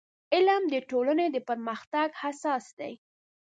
• علم د ټولنې د پرمختګ اساس دی.